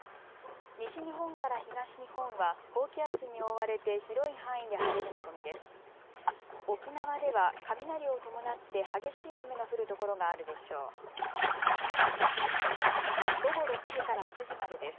西日本から東日本は高気圧に覆われて広い範囲で晴れる見込みです。